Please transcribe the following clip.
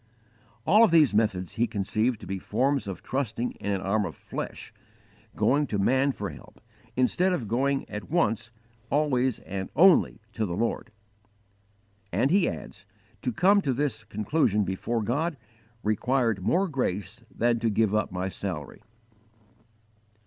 All of these methods he conceived to be forms of trusting in an arm of flesh, going to man for help instead of going at once, always and only, to the Lord. And he adds: _"To come to this conclusion before God required more grace than to give up my salary."